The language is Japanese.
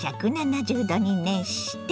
１７０℃に熱して。